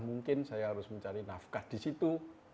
mungkin saya harus mencari nafkah disitu